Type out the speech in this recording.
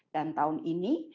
dan tahun ini